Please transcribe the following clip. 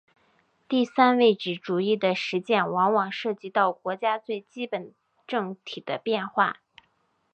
第三位置主义的实践往往涉及到国家最基本政体的变化。